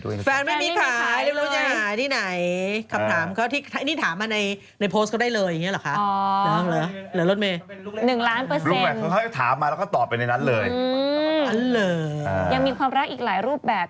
ยังมีความรักอีกหลายรูปแบบ